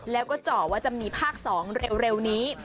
แล้วก็เจาะว่าจะมีภาค๒เร็วนี้